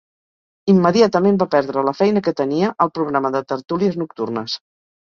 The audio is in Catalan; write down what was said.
Immediatament va perdre la feina que tenia al programa de tertúlies nocturnes.